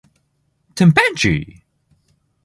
てんぺんちい